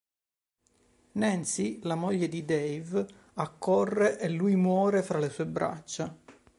Nancy, la moglie di Dave, accorre e lui muore fra le sue braccia.